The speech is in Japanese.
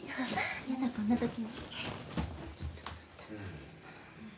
やだこんな時に。